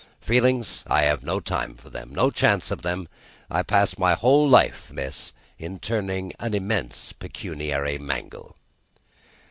Feelings! I have no time for them, no chance of them. I pass my whole life, miss, in turning an immense pecuniary Mangle."